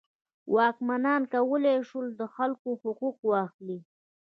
واکمنان کولی شول د خلکو حقوق واخلي.